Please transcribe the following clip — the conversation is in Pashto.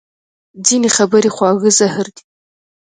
ځینې خبرې خواږه زهر دي